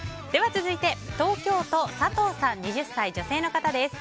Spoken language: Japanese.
続いて、東京都の２０歳女性の方です。